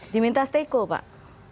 diminta seteko pak